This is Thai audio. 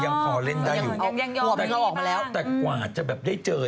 ยังพอเล่นได้อยู่แต่กว่าจะแบบได้เจอเนี่ย